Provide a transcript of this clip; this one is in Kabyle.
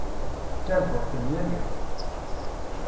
Ttarguɣ-kem yal iḍ.